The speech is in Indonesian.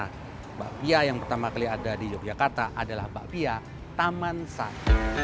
mbak pia yang pertama kali ada di yogyakarta adalah mbak pia taman sari